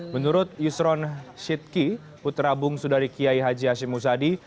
menurut yusron shidki putera bung sudari kiai haji hashim muzadi